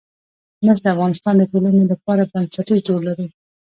مس د افغانستان د ټولنې لپاره بنسټيز رول لري.